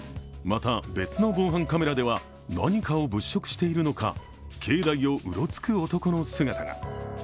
また、別の防犯カメラでは、何かを物色しているのか、境内をうろつく男の姿が。